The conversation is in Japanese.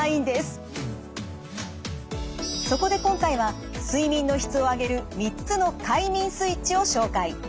そこで今回は睡眠の質を上げる３つの快眠スイッチを紹介。